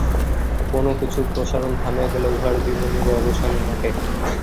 কোন কিছুর প্রসারণ থামিয়া গেলে উহার জীবনেরও অবসান ঘটে।